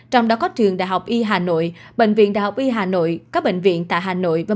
trong đó có trường đại học y hà nội bệnh viện đại học y hà nội các bệnh viện tại hà nội và